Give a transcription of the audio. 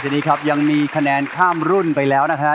ทีนี้ครับยังมีคะแนนข้ามรุ่นไปแล้วนะฮะ